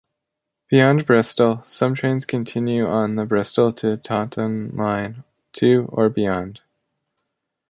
Beyond Bristol, some trains continue on the Bristol to Taunton Line to or beyond.